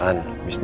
terima kasih bu